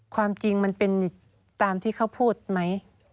ความจริงมันเป็นตามที่เขาพูดไหม